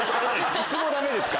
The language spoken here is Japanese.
椅子もダメですか？